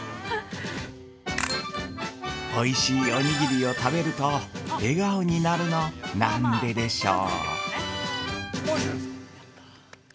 ◆おいしいおにぎりを食べると笑顔になるの、何ででしょう？